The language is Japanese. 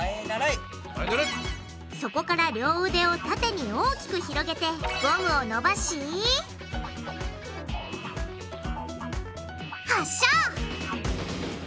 そこから両腕を縦に大きく広げてゴムを伸ばし発射！